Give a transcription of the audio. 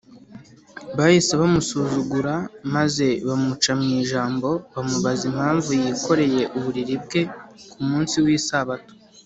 Bahise bamusuzugura maze bamuca mu ijambo, bamubaza impamvu yikoreye uburiri bwe ku munsi w’Isabato